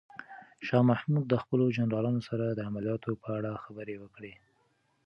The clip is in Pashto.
شاه محمود د خپلو جنرالانو سره د عملیاتو په اړه خبرې وکړې.